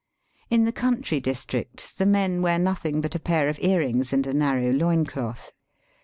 In the country districts the men wear nothing but a pair of earrings and a narrow loin cloth.